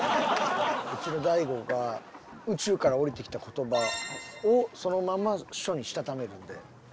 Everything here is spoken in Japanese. うちの大悟が宇宙から降りてきた言葉をそのまま書にしたためるんで。